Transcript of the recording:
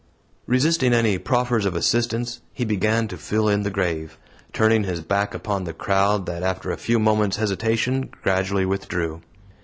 Resisting any proffers of assistance, he began to fill in the grave, turning his back upon the crowd that after a few moments' hesitation gradually withdrew.